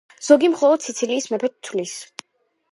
ზოგი მხოლოდ სიცილიის მეფედ თვლის.